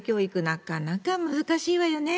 なかなか難しいわよね。